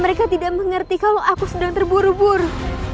mereka tidak mengerti kalau aku sedang terburu buru